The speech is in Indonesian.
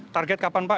target kapan pak